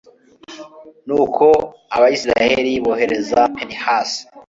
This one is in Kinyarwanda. nuko abayisraheli bohereza pinehasi